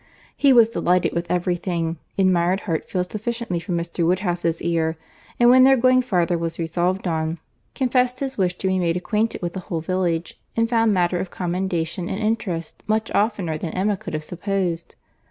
He was delighted with every thing; admired Hartfield sufficiently for Mr. Woodhouse's ear; and when their going farther was resolved on, confessed his wish to be made acquainted with the whole village, and found matter of commendation and interest much oftener than Emma could have supposed.